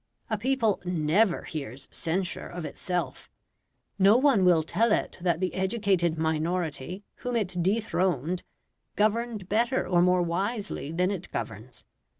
A people NEVER hears censure of itself. No one will tell it that the educated minority whom it dethroned governed better or more wisely than it governs.